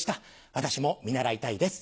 私も見習いたいです。